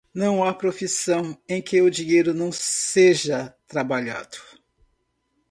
Não há profissão em que o dinheiro não seja trabalhado.